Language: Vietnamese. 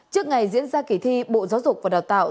trước ngày diễn ra kỳ thi bộ giáo dục và đào tạo